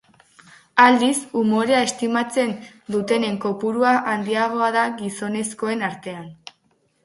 Aldiz, umorea estimatzen dutenen kopurua handiagoa da gizonezkoen artean.